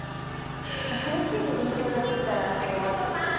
楽しんで勉強ができたらこう。